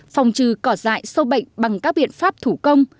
phòng trừ cỏ dại sâu bệnh bằng các biện pháp thủ công